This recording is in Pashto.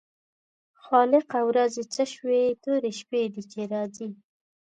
خالقه ورځې څه شوې تورې شپې دي چې راځي.